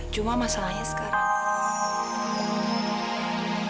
cuma masalahnya sekarang